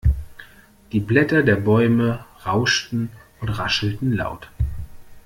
Die Blätter der Bäume rauschten und raschelten laut.